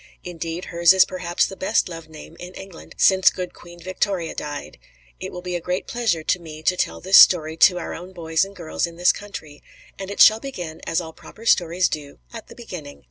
Indeed, hers is perhaps the best loved name in England since good Queen Victoria died. It will be a great pleasure to me to tell this story to our own boys and girls in this country; and it shall begin, as all proper stories do, at the beginning.